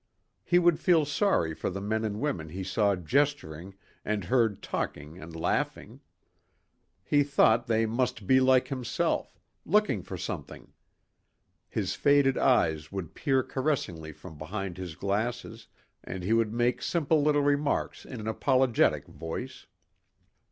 He would feel sorry for the men and women he saw gesturing and heard talking and laughing. He thought they must be like himself looking for something. His faded eyes would peer caressingly from behind his glasses and he would make simple little remarks in an apologetic voice.